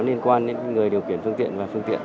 nên quan đến người điều kiển phương tiện và phương tiện